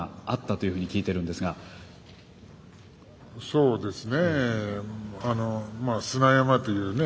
そうですね。